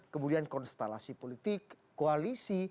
kemudian konstelasi politik koalisi